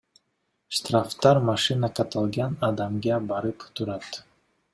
Штрафтар машина катталган адамга барып турат.